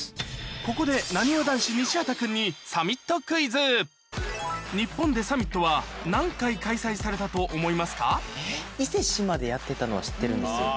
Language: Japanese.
ここでなにわ男子・西畑君に伊勢志摩でやってたのは知ってるんですよ。